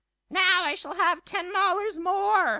"Now I shall have ten dollars more!"